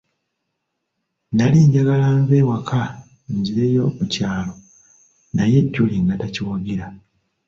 Nnali njagala nve ewaka nzireyo mu kyalo naye Julie nga takiwagira.